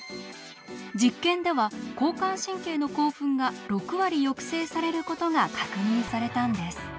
実験では交感神経の興奮が６割抑制されることが確認されたんです。